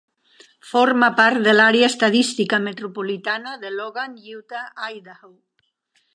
Forma part de l'Àrea Estadística Metropolitana de Logan, Utah-Idaho.